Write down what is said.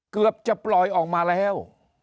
เกือบจะปล่อยออกมาแล้ว